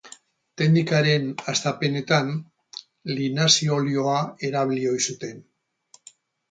Teknikaren hastapenetan linazi-olioa erabili ohi zuten.